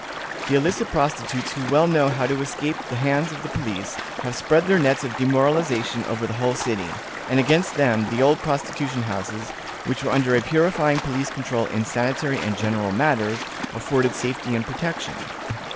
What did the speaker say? The illicit prostitutes, who well know how to escape the hands of the police, have spread their nets of demoralization over the whole city; and against them, the old prostitution houses, which were under a purifying police control in sanitary and general matters, afforded safety and protection."